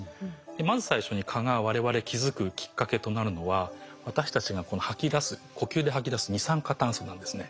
まず最初に蚊がわれわれ気付くきっかけとなるのは私たちが吐き出す呼吸で吐き出す二酸化炭素なんですね。